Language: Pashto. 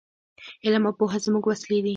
علم او پوهه زموږ وسلې دي.